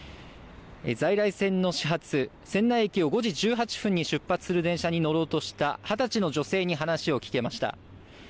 在来線の始発、仙台駅を５時１８分に出発する電車に乗ろうとした二十歳の女性に話を聞けました。